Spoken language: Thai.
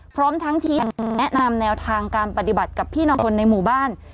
พร้อมทั้งชี้แนะนำแนวทางการปฏิบัติกับพี่น้องคนในหมู่บ้าน